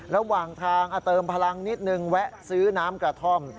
ระหว่างทางเติมพลังนิดนึงแวะซื้อน้ำกระท่อม